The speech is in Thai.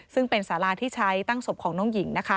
ซึ่งเป็นสาราที่ใช้ตั้งศพของน้องหญิง